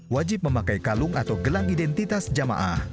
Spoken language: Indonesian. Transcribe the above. wajib memakai kalung atau gelang identitas jamaah